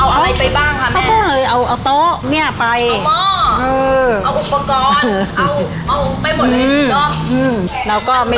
เอาเอาอะไรไปบ้างคะแม่เอาตัวเนี้ยไปเอาหม้อเออเอาอุปกรณ์เอา